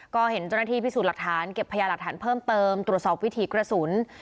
ก็เห็นเจ้าหน้าที่พิสูจน์หลักฐานเก็บพยาหลักฐานเพิ่มเติมตรวจสอบวิถีกระสุน